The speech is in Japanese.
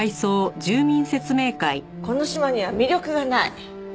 この島には魅力がない。